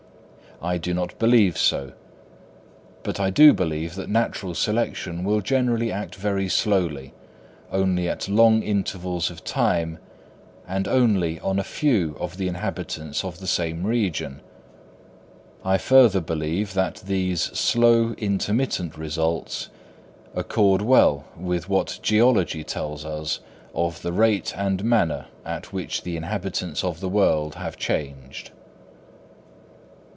I do not believe so. But I do believe that natural selection will generally act very slowly, only at long intervals of time, and only on a few of the inhabitants of the same region. I further believe that these slow, intermittent results accord well with what geology tells us of the rate and manner at which the inhabitants of the world have changed.